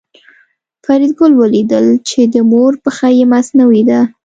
فریدګل ولیدل چې د مور پښه یې مصنوعي ده